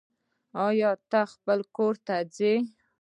آيا ته خپل کور ته ځي